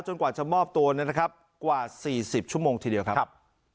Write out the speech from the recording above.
กว่าจะมอบตัวนะครับกว่า๔๐ชั่วโมงทีเดียวครับ